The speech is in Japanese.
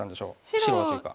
白はというか。